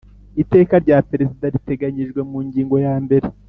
Iteka rya Perezida riteganyijwe mu ngingo ya mbere